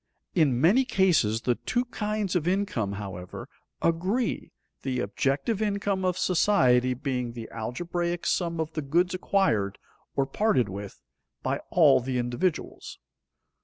In many cases the two kinds of income, however, agree, the objective income of society being the algebraic sum of the goods acquired or parted with by all the individuals.